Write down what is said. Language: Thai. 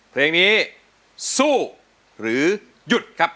เพลงนี้สู้หรือหยุดครับ